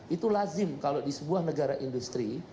itu lazim kalau di sebuah negara industri